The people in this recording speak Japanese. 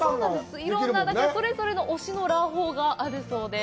いろんな、それぞれの押しのラーほーがあるそうで。